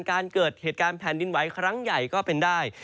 การเกิดเหตุการณ์แผ่นดินไหวครั้งใหญ่ก็เป็นได้